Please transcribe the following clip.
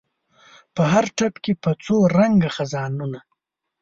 په هر ټپ کې په څو رنګه خزانونه